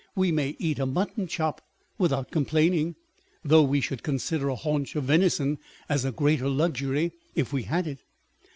We may eat a mutton chop without complaining, though we should consider a haunch of venison as a greater luxury if we had it.